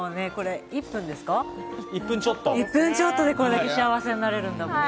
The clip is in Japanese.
これ、１分ちょっとでこれだけ幸せになれるんだ。